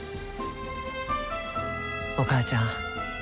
お母ちゃん